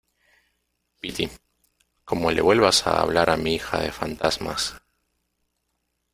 piti, como le vuelvas a hablar a mi hija de fantasmas ,